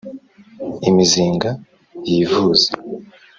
Imizinga yivuza